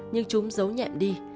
nhưng chúng giấu nhẹm đi